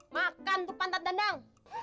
makan tuh pantat danang